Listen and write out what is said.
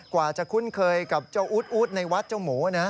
กว่าจะคุ้นเคยกับเจ้าอู๊ดในวัดเจ้าหมูนะ